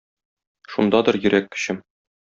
Шундадыр йөрәк көчем.